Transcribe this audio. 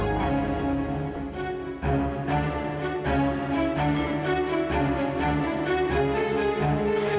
jangan sampai itu terjadi ana